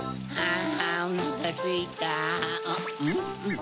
ん？